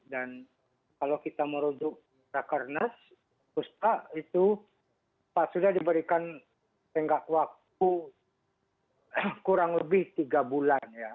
dan kalau kita merujuk rakernas pak surya diberikan tingkat waktu kurang lebih tiga bulan